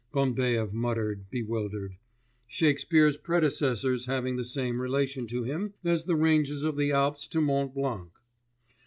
Bambaev muttered bewildered, Shakespeare's predecessors having the same relation to him as the ranges of the Alps to Mont Blanc.